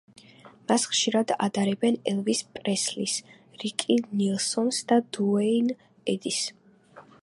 მას ხშირად ადარებენ ელვის პრესლის, რიკი ნელსონს და დუეინ ედის.